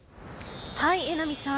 榎並さん